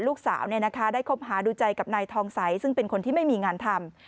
ลูกสาวได้คบหาดูใจกับนายทองใสซึ่งเป็นคนที่ไม่มีงานทำ